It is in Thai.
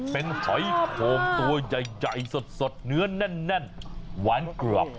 เป็นหอยโข่งตัวใหญ่สดเนื้อแน่นหวานเกลือบ